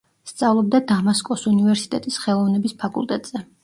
სწავლობდა დამასკოს უნივერსიტეტის ხელოვნების ფაკულტეტზე.